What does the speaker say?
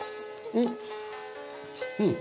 うん。